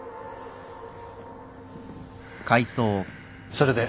それで？